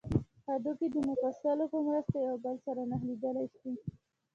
هډوکي د مفصلونو په مرسته یو بل سره نښلیدلي دي